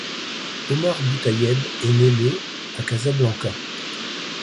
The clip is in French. Omar Boutayeb est né le à Casablanca.